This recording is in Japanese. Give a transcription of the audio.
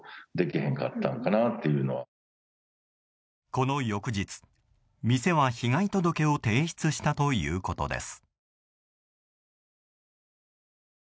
この翌日、店は被害届を提出したということです。